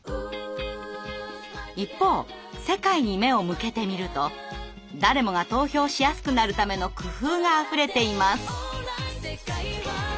一方世界に目を向けてみると誰もが投票しやすくなるための工夫があふれています。